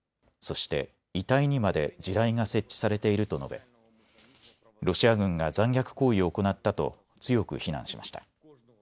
そして遺体にまで地雷が設置されていると述べ、ロシア軍が残虐行為を行ったと強く非難しました。